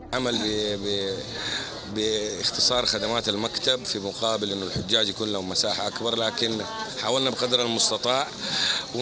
kondisi ini berkaitan dengan keuntungan maktab diantara semua khujaj di masjid yang besar tapi kami berusaha sebegitu